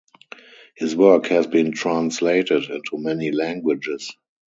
His work has been translated into many languages.